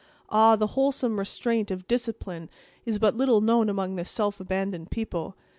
Ah! the wholesome restraint of discipline is but little known among this self abandoned people.